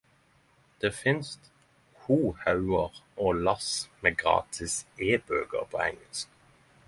Det finst ho haugar og lass med gratis ebøker på engelsk!